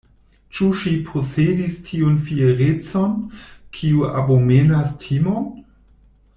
Ĉu ŝi posedis tiun fierecon, kiu abomenas timon?